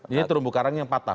ini terumbu karang yang patah